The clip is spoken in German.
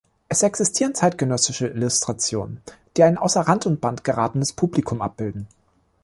Es existieren zeitgenössische Illustrationen, die ein außer Rand und Band geratenes Publikum abbilden.